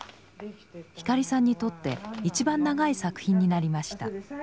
光さんにとって一番長い作品になりました。